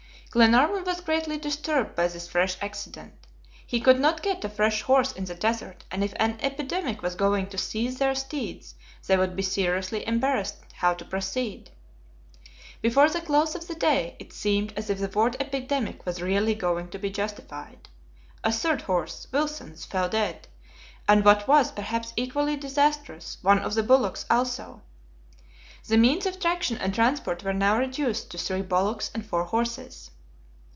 Glenarvan was greatly disturbed by this fresh accident. He could not get a fresh horse in the desert, and if an epidemic was going to seize their steeds, they would be seriously embarrassed how to proceed. Before the close of the day, it seemed as if the word epidemic was really going to be justified. A third horse, Wilson's, fell dead, and what was, perhaps equally disastrous, one of the bullocks also. The means of traction and transport were now reduced to three bullocks and four horses.